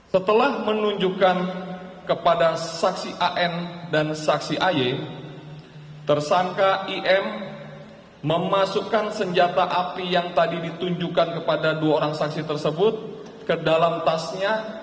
setelah menunjukkan kepada saksi an dan saksi aye tersangka im memasukkan senjata api yang tadi ditunjukkan kepada dua orang saksi tersebut ke dalam tasnya